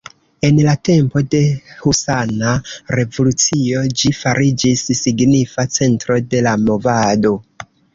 En la tempo de husana revolucio ĝi fariĝis signifa centro de la movado.